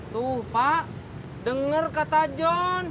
tuh pak dengar kata jon